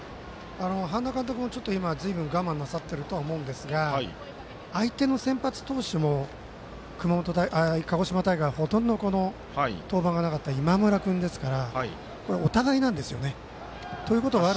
半田監督もちょっとずいぶん我慢なさってると思うんですが相手の先発投手も、鹿児島大会ほとんど登板がなかった今村君ですからお互いなんですよね。